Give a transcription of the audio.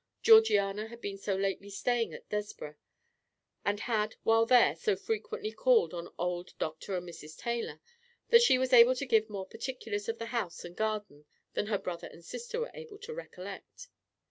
Georgiana had been so lately staying at Desborough, and had, while there, so frequently called on old Dr. and Mrs. Taylor, that she was able to give more particulars of the house and garden than her brother and sister were able to recollect.